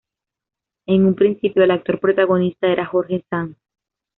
En un principio el actor protagonista era Jorge Sanz.